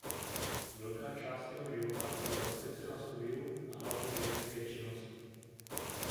Velká část jeho života byla zasvěcena studiu a hlavně vědecké činnosti.